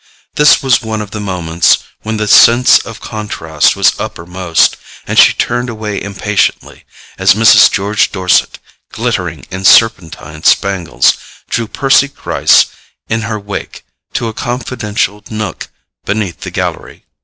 This was one of the moments when the sense of contrast was uppermost, and she turned away impatiently as Mrs. George Dorset, glittering in serpentine spangles, drew Percy Gryce in her wake to a confidential nook beneath the gallery.